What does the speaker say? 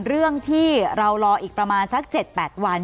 เรื่องที่เรารออีกประมาณสัก๗๘วัน